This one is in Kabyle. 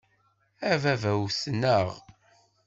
A baba wten-aɣ.